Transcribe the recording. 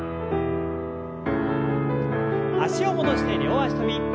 脚を戻して両脚跳び。